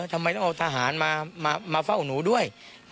ทำไมต้องเอาทหารมาเฝ้าหนูด้วย